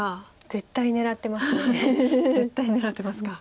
絶対狙ってますか。